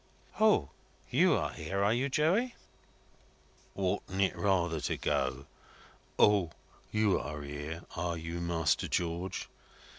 "O! You are here, are you, Joey?" "Oughtn't it rather to go, 'O! You're here, are you, Master George?'